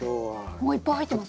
もういっぱい入ってますね。